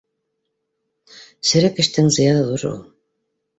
— Серек тештең зыяны ҙур ул.